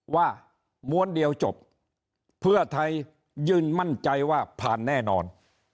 ม้วนเดียวจบเพื่อไทยยืนมั่นใจว่าผ่านแน่นอน